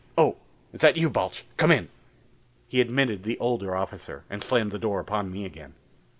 Oh, is that you, Balch? Come in." He admitted the older officer and slammed the door upon me again.